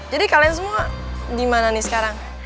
jadi kalian semua dimana nih sekarang